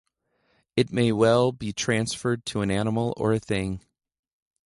It may well be transferred to an animal or a thing.